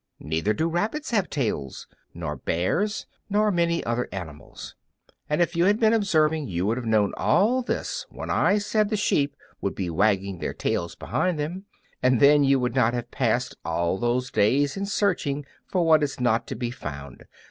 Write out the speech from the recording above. Neither do rabbits have tails, nor bears, nor many other animals. And if you had been observing you would have known all this when I said the sheep would be wagging their tails behind them, and then you would not have passed all those days in searching for what is not to be found.